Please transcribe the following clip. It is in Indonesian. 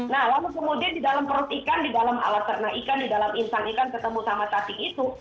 nah lalu kemudian di dalam perut ikan di dalam alat ternak ikan di dalam insang ikan ketemu sama cacing itu